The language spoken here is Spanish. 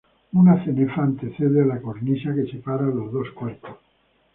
Una cenefa antecede a la cornisa que separa los dos cuerpos.